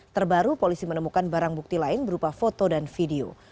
terbaru polisi menemukan barang bukti lain berupa foto dan video